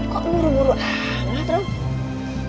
kok buru buru aneh rom